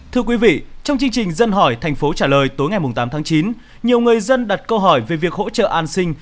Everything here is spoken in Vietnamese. thưa quý vị trong chương trình dân hỏi tp hcm tối ngày tám tháng chín nhiều người dân đặt câu hỏi về việc hỗ trợ an sinh